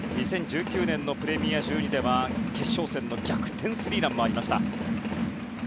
２０１９年のプレミア１２では決勝戦の逆転スリーランもありました。